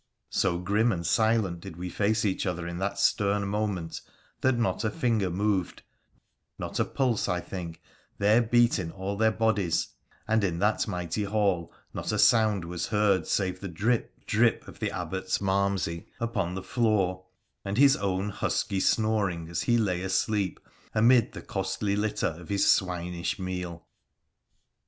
So grim and silent did we face each other in that stern moment that not a finger moved — not a pulse, I think, there beat in all their bodies, and in that mighty hall not a sound was heard save the drip, drip of the Abbot's malmsey upon the floor and his own husky snoring as he lay asleep amid the costly litter of his swinish meal.